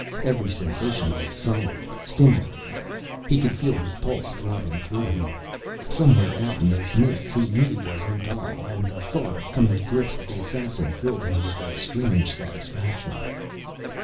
Every sensation was solid, stimulating. He could feel his pulse throbbing through him. Somewhere out in those mists, he knew, was Odal. And the thought of coming to grips with the assassin filled him with a strange satisfaction.